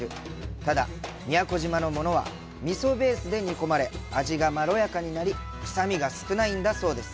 ただ、宮古島のものは味噌ベースで煮込まれ味がまろやかになり臭みが少ないんだそうです。